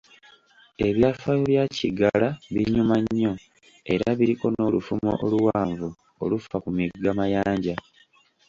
Ebyafaayo bya Kiggala binyuma nnyo, era biriko n'olufumo oluwanvu olufa ku Migga Mayanja.